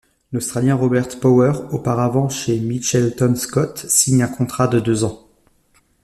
L'Australien Robert Power, auparavant chez Mitchelton-Scott, signe un contrat de deux ans.